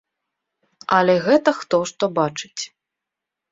Але гэта хто што бачыць.